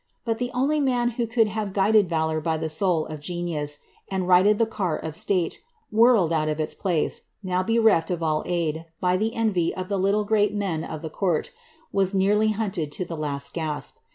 But the only man who could hare guided valour by the soul of genius, and righted the car of state, whirled out of its place, now bereft of all aid, by the envy of the little great men of the court, was nearly hunted to the last gasp.